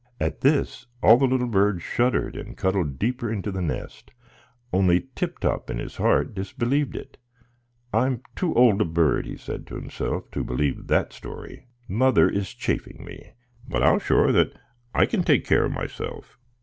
At this, all the little birds shuddered and cuddled deeper in the nest; only Tip Top in his heart disbelieved it. "I'm too old a bird," said he to himself, "to believe that story; mother is chaffing me. But I'll show her that I can take care of myself."